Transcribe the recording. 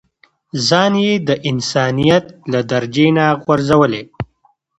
ځان يې د انسانيت له درجې نه غورځولی.